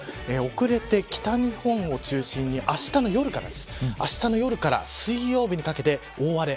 遅れて北日本を中心にあしたの夜から水曜日にかけて大荒れ。